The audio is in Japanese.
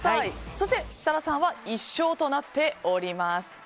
そして設楽さんは１勝となっております。